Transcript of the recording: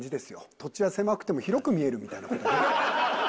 土地は狭くても広く見えるみたいな事。